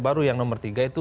baru yang nomor tiga itu